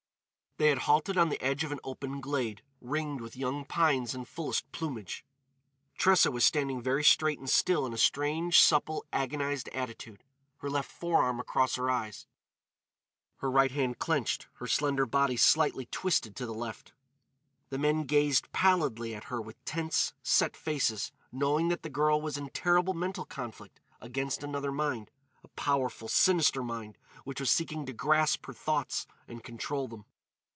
They had halted on the edge of an open glade, ringed with young pines in fullest plumage. Tressa was standing very straight and still in a strange, supple, agonised attitude, her left forearm across her eyes, her right hand clenched, her slender body slightly twisted to the left. The men gazed pallidly at her with tense, set faces, knowing that the girl was in terrible mental conflict against another mind—a powerful, sinister mind which was seeking to grasp her thoughts and control them.